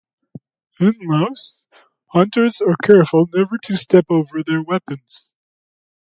In Laos, hunters are careful never to step over their weapons.